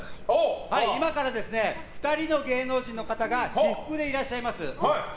今から２人の芸能人の方が私服でいらっしゃいます。